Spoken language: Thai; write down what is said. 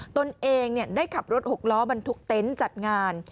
ตนเองได้ขับรถหกล้อบรรทุกเต็นต์จัดงาน